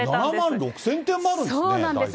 ７万６０００点もあるんですね。